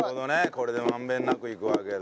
これで満遍なくいくわけだ。